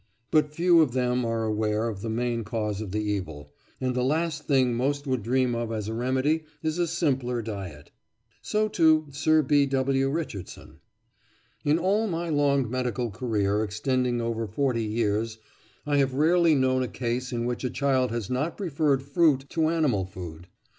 But few of them are aware of the main cause of the evil, and the last thing most would dream of as a remedy is a simpler diet." Footnote 36: "Fads of an Old Physician," chap. xiv. So, too, Sir B. W. Richardson: "In all my long medical career, extending over forty years, I have rarely known a case in which a child has not preferred fruit to animal food.